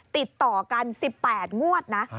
ติดต่อกัน๑๘งวดนะ